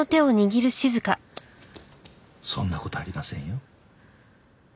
そんな事ありませんよ。